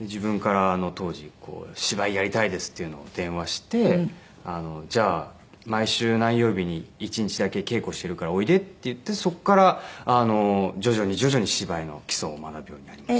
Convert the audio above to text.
自分から当時芝居やりたいですっていうのを電話してじゃあ毎週何曜日に１日だけ稽古しているからおいでっていってそこから徐々に徐々に芝居の基礎を学ぶようになりました。